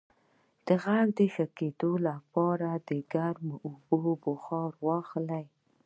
د غږ د ښه کیدو لپاره د ګرمو اوبو بخار واخلئ